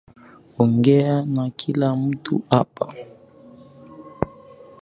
Ongea na kila mtu hapa